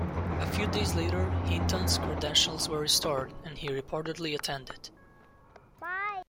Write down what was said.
A few days later, Hinton's credentials were restored, and he reportedly attended.